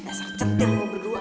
dasar cetim mau berdua